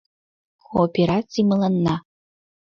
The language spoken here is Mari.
Коопераций мыланна